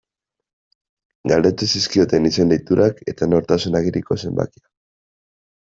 Galdetu zizkioten izen-deiturak eta nortasun agiriko zenbakia.